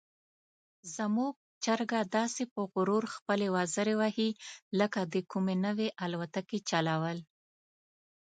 زموږ چرګه داسې په غرور خپلې وزرې وهي لکه د کومې نوې الوتکې چلول.